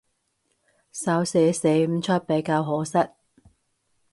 手寫寫唔出比較可惜